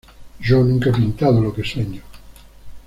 Yo nunca he pintado lo que sueño.